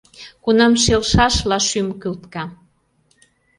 Кунам шелшашла шÿм кÿлтка